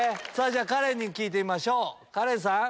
カレンに聞いてみましょうカレンさん！